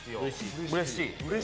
うれしい？